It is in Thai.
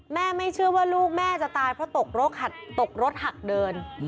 แม่ไม่เชื่อว่าลูกแม่จะตายเพราะตกรถหักเดิน